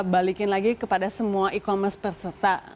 balikin lagi kepada semua e commerce peserta